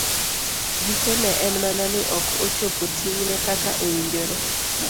Gikone, en mana ni ok ochopo ting'ne kaka owinjore.